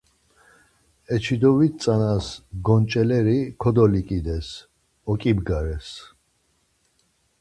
Eçidovit tzanas gonç̌eleri kodoliǩides, oǩibgares.